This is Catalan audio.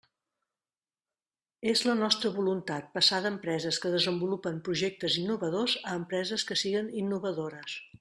És la nostra voluntat passar d'empreses que desenvolupen projectes innovadors a empreses que siguen innovadores.